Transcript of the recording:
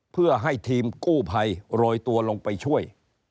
เพื่อให้ทีมกู้ภัยโรยตัวลงไปช่วย